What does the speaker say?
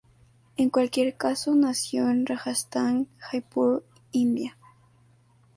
En cualquier caso, nació en Rajastán, Jaipur, India.